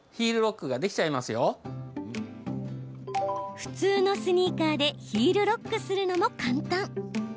普通のスニーカーでヒールロックするのも簡単。